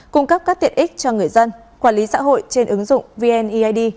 cung cấp các tiện ích cho người dân quản lý xã hội trên ứng dụng vneid